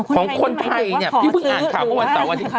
ของคนไทยก็หมายถึงว่าขอซื้อหรือว่า